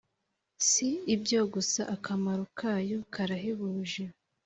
si ibyo gusa akamaro kayo karahebuje